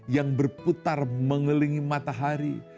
yang berputar mengelilingi matahari